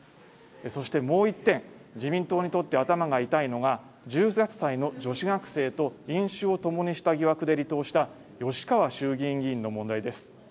そしてもう１点自民党にとって頭が痛いのが１８歳の女子学生と飲酒を共にした疑惑で離党した吉川衆議院議員の問題です